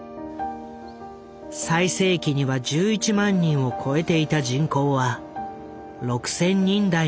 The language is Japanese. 最盛期には１１万人を超えていた人口は６，０００人台にまで減少。